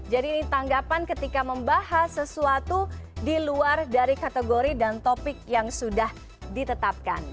jadi ini tanggapan ketika membahas sesuatu di luar dari kategori dan topik yang sudah ditetapkan